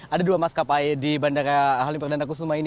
ada dua maskapai di bandara halim perdana kusuma ini